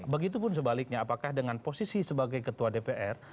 begitu pun sebaliknya apakah dengan posisi sebagai ketua dpr